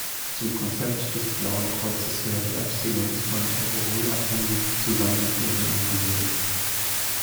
Zum Konzept des Blauen Kreuzes gehört die Abstinenz von Alkoholabhängigen zusammen mit deren Angehörigen.